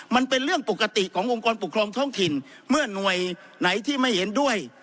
มันเป็นเรื่องปกติขององค์กรปกครองท้องถิ่นเมื่อหน่วยไหนที่ไม่เห็นด้วย